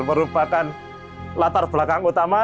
merupakan latar belakang utama